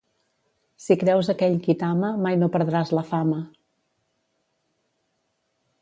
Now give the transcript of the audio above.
Si creus aquell qui t'ama mai no perdràs la fama.